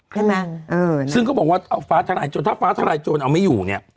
ใช่ไหมเออซึ่งเขาบอกว่าเอาฟ้าทลายโจรถ้าฟ้าทลายโจรเอาไม่อยู่เนี่ย